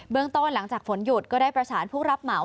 ต้นหลังจากฝนหยุดก็ได้ประสานผู้รับเหมา